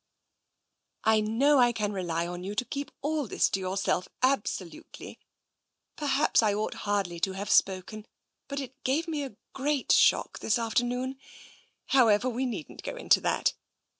" I know I can rely on you to keep all this to your self absolutely. Perhaps I ought hardly to have spoken, but it gave me a great shock this afternoon. However, we needn't go into that.